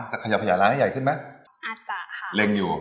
ขยับขยายร้านให้ใหญ่ขึ้นไหมอาจจะค่ะเล็งอยู่